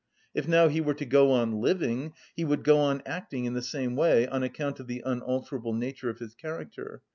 If now he were to go on living, he would go on acting in the same way, on account of the unalterable nature of his character.